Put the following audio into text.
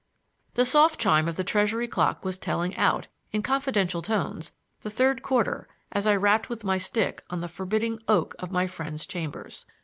The soft chime of the Treasury clock was telling out, in confidential tones, the third quarter as I rapped with my stick on the forbidding "oak" of my friends' chambers.